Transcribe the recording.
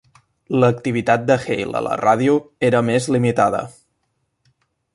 L'activitat de Hale a la ràdio era més limitada.